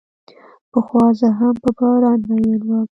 پخوا زه هم په باران مئین وم.